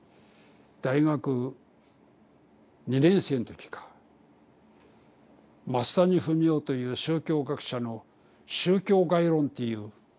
大学２年生の時か増谷文雄という宗教学者の「宗教概論」っていう講義を受けたんだよ。